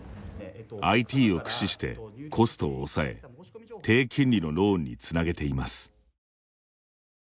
ＩＴを駆使して、コストを抑え低金利のローンにつなげています。